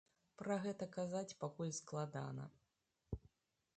Пра гэта казаць пакуль складана.